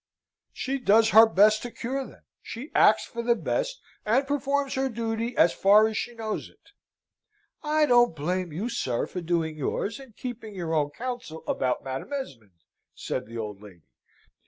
"She does her best to cure them! She acts for the best, and performs her duty as far as she knows it." "I don't blame you, sir, for doing yours, and keeping your own counsel about Madam Esmond," said the old lady.